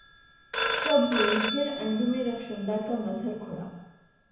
شب ہوئی پھر انجم رخشندہ کا منظر کھلا